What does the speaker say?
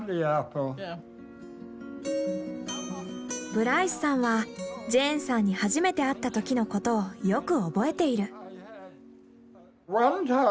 ブライスさんはジェーンさんに初めて会った時のことをよく覚えている。